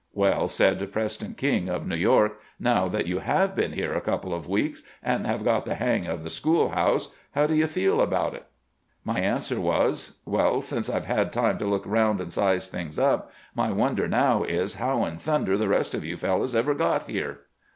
' Well,' said Preston King of New York, ' now that you have been here a couple of weeks, and have got the " hang of the school house," how do you feel about it ?' My answer was, ' Well, since I 've had time to look round and size things up, my wonder now is, how in thunder the rest of you fellows ever got here.'